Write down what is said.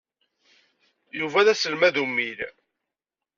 Yuba d aselmad ummil.